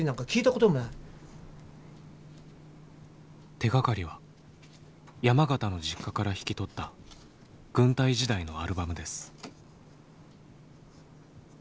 手がかりは山形の実家から引き取った軍隊時代のアルバムです。